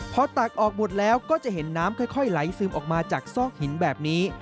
พอตักออกหมดแล้วก็จะเห็นน้ำค่อยไหลซึมออกมาจากซอกหินแบบนี้